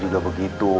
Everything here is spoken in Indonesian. ya gak juga begitu